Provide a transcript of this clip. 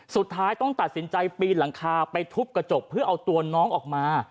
สุดท้ายต้องตัดสินใจปีนหลังคาไปทุบกระจกเพื่อเอาตัวน้องออกมา